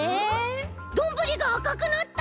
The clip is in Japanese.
どんぶりがあかくなった！